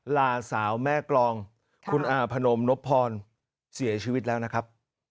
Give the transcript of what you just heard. ลาสาวแม่กรองคุณอาพนมนพพรเสียชีวิตแล้วนะครับ